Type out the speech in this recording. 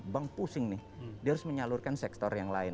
bank pusing nih dia harus menyalurkan sektor yang lain